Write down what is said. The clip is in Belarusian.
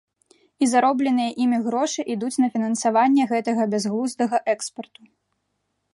І заробленыя імі грошы ідуць на фінансаванне гэтага бязглуздага экспарту.